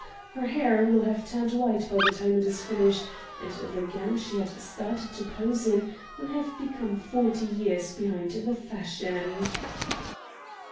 Her hair will have turned white by the time it is finished, and the gown she started to pose in will have become forty years behind the fashion!"